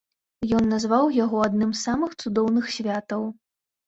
Ён назваў яго адным з самых цудоўных святаў.